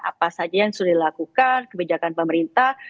apa saja yang sudah dilakukan kebijakan pemerintah